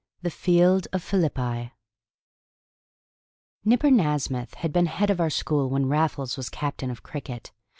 The Field of Phillipi Nipper Nasmyth had been head of our school when Raffles was captain of cricket.